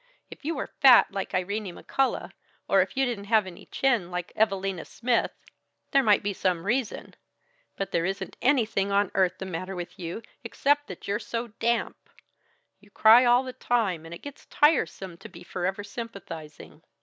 "If you were fat, like Irene McCullough, or if you didn't have any chin like Evalina Smith, there might be some reason, but there isn't anything on earth the matter with you, except that you're so damp! You cry all the time, and it gets tiresome to be forever sympathizing.